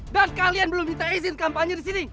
dan kalian belum minta izin kampanye disini